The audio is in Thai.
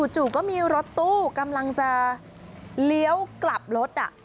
จู่ก็มีรถตู้กำลังจะเลี้ยวกลับรถ